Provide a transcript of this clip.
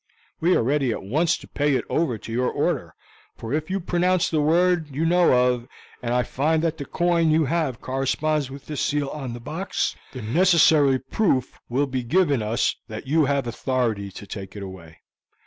We are ready at once to pay it over to your order, for if you pronounce the word you know of, and I find that the coin you have corresponds with the seal on the box, the necessary proof will be given us that you have authority to take it away.